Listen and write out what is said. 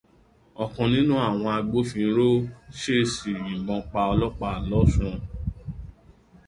Ọ̀kan nínú àwọn agbófinró ṣèèṣì yìnbọ̀n pa ọlọ́pàá l'Ósun.